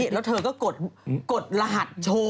แล้วเธอก็กดรหัสโชว์